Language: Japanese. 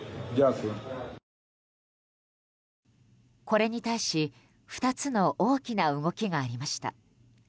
これに対し２つの大きな動きがありました。